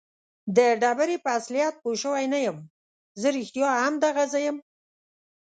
د ډبرې په اصلیت پوه شوی نه یم. زه رښتیا هم دغه زه یم؟